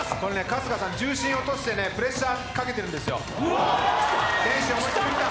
春日さん、重心を落としてプレッシャーをかけてるんですよ。